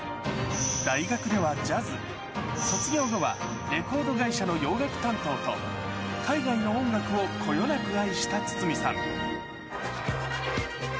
大学ではジャズ、卒業後は、レコード会社の洋楽担当と、海外の音楽をこよなく愛した筒美さん。